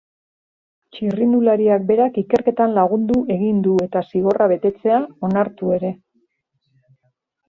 Txirrindulariak berak ikerketan lagundu egin du eta zigorra betetzea onartu ere.